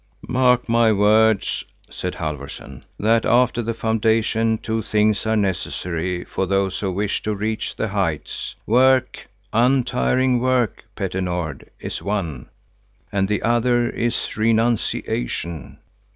"Mark my words," said Halfvorson, "that, after the foundation, two things are necessary for those who wish to reach the heights. Work, untiring work, Petter Nord, is one; and the other is renunciation.